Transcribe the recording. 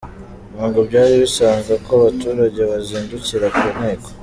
Ntabwo byari bisanzwe ko abaturage bazindukira ku Nteko.